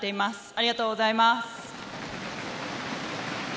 ありがとうございます。